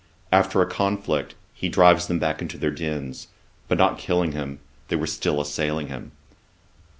After a conflict, he drives them back into their dens; but not killing them, they were still assailing him.